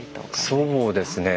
そうですね。